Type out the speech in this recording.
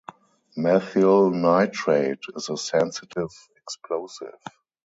Methyl nitrate is a sensitive explosive.